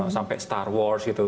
sampai star wars gitu